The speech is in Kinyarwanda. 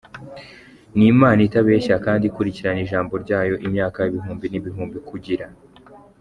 Ni Imana itabeshya kandi ikurikirana ijambo ryayo imyaka ibihumbi n'ibihumbi kugira.